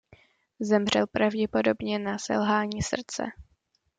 Zemřel pravděpodobně na selhání srdce.